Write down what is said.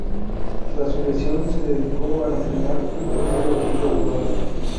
Tras su lesión se dedicó a entrenar un pequeño equipo de barrio.